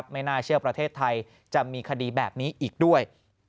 ไม่น่าเชื่อประเทศไทยจะมีคดีแบบนี้อีกด้วย